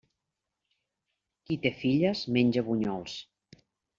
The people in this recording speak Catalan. Qui té filles menja bunyols.